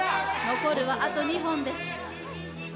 残るはあと２本です。